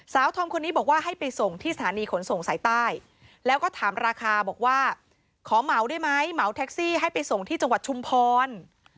ทอมคนนี้บอกว่าให้ไปส่งที่สถานีขนส่งสายใต้แล้วก็ถามราคาบอกว่าขอเหมาได้ไหมเหมาแท็กซี่ให้ไปส่งที่จังหวัดชุมพร